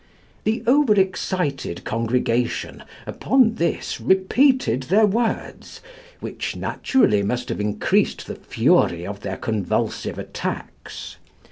The over excited congregation upon this repeated their words, which naturally must have increased the fury of their convulsive attacks.